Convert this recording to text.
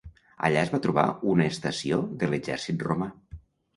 Allà es va trobar una estació de l"exercit romà.